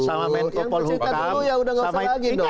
yang cerita dulu ya nggak usah lagi dong